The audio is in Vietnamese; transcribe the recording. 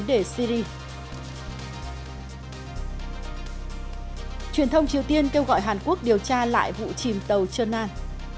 truyền thông triều tiên kêu gọi hàn quốc điều tra lại vụ chìm tàu trần an